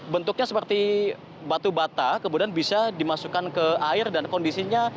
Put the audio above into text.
bentuknya seperti batu bata kemudian bisa dimasukkan ke air dan kondisinya